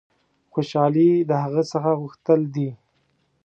خوشحالي د هغه څه غوښتل دي.